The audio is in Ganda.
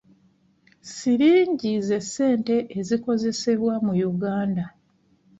Siringi ze ssente ezikozesebwa mu Uganda.